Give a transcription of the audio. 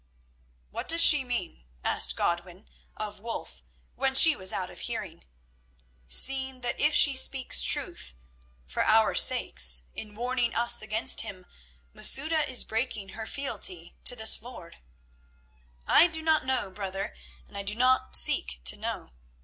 "What does she mean," asked Godwin of Wulf, when she was out of hearing, "seeing that if she speaks truth, for our sakes, in warning us against him, Masouda is breaking her fealty to this lord?" "I do not know, brother, and I do not seek to know.